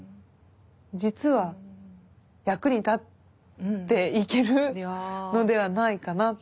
実は役に立っていけるのではないかなって。